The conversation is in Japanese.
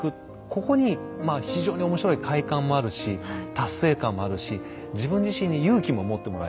ここに非常に面白い快感もあるし達成感もあるし自分自身に勇気も持ってもらえる。